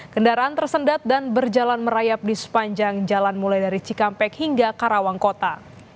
kendaraan tersendat dan berjalan merayap di sepanjang jalan mulai dari cikampek hingga karawang kota